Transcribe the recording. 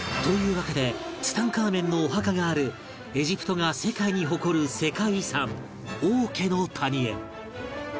わけでツタンカーメンのお墓があるエジプトが世界に誇る世界遺産王家の谷へ